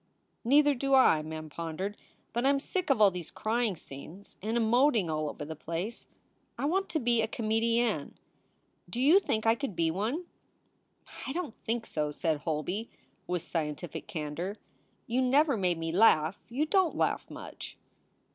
"Neither do I," Mem pondered. "But I m sick of all these crying scenes and emoting all over the place. I want to be a comedienne. Do you think I could be one? " 3 i6 SOULS FOR SALE "I don t think so," said Holby, with scientific candor. "You never made me laugh. You don t laugh much."